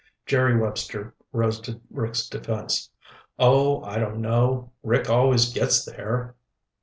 '" Jerry Webster rose to Rick's defense. "Oh, I don't know. Rick always gets there."